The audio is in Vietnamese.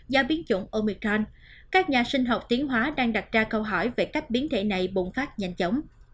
do biến chủng omican các nhà sinh học tiến hóa đang đặt ra câu hỏi về cách biến thể này bùng phát nhanh chóng